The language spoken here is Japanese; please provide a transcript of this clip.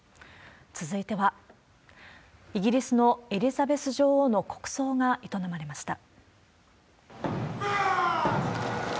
続いては、イギリスのエリザベス女王の国葬が営まれました。